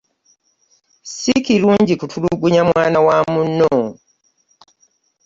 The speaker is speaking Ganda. si kirungi kutuluganya mwana wamunno